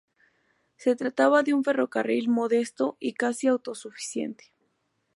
Se trataba de un ferrocarril modesto y casi autosuficiente.